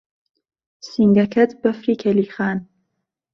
سینگهکهت بهفری کهلیخان